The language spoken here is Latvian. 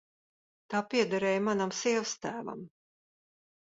Tā piederēja manam sievastēvam.